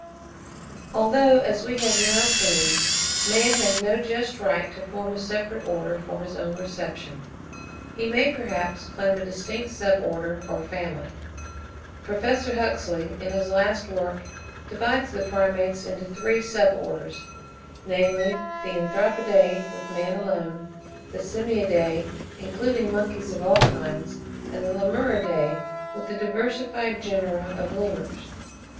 Although, as we have now seen, man has no just right to form a separate Order for his own reception, he may perhaps claim a distinct Sub order or Family. Prof. Huxley, in his last work (11. 'An Introduction to the Classification of Animals,' 1869, p. 99.), divides the primates into three Sub orders; namely, the Anthropidae with man alone, the Simiadae including monkeys of all kinds, and the Lemuridae with the diversified genera of lemurs.